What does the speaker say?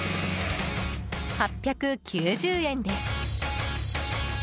８９０円です。